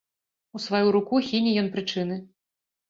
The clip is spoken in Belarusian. У сваю руку хіне ён прычыны.